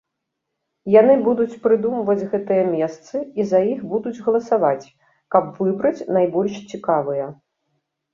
Яны будуць прыдумваць гэтыя месцы і за іх будуць галасаваць, каб выбраць найбольш цікавыя.